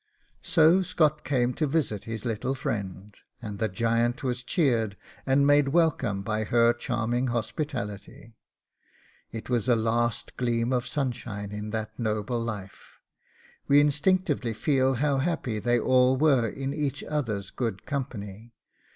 So Scott came to visit his little friend, and the giant was cheered and made welcome by her charming hospitality. It was a last gleam of sunshine in that noble life. We instinctively feel how happy they all were in each other's good company.